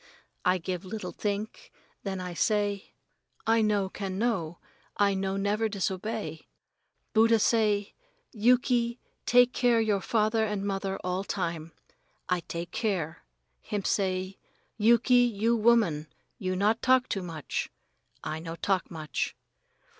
I give little think, then I say, "I no can know I no never disobey. Buddha say, 'Yuki, take care father and mother all time.' I take care. Him say, 'Yuki, you woman you not talk too much.' I no talk much.